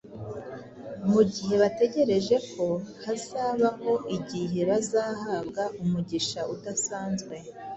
mu gihe bategereje ko hazabaho igihe bazahabwa umugisha udasanzwe